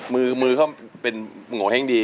มือเขาเป็นโงเห้งดี